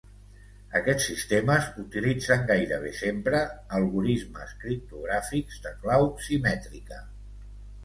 Aquests sistemes utilitzen gairebé sempre algorismes criptogràfics de clau simètrica.